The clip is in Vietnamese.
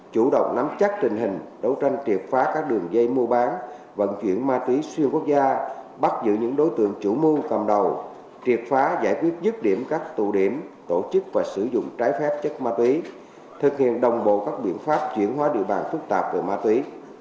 chủ động nắm chắc trình hình đấu tranh triệt phá các đường dây mua bán vận chuyển ma túy xuyên quốc gia bắt giữ những đối tượng chủ mưu cầm đầu triệt phá giải quyết dứt điểm các tụ điểm tổ chức và sử dụng trái phép chất ma túy thực hiện đồng bộ các biện pháp chuyển hóa địa bàn phức tạp về ma túy